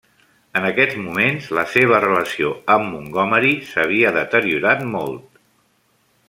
En aquests moments, la seva relació amb Montgomery s'havia deteriorat molt.